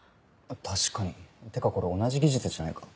確かにってかこれ同じ技術じゃないか？